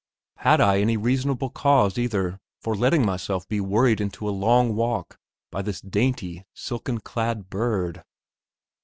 Had I any reasonable cause, either, for letting myself be worried into a long walk by this dainty, silken clad bird?